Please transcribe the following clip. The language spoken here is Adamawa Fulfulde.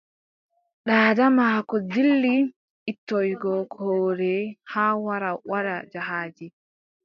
Daada maako dilli ittoygo koode haa wara waɗa jahaaji.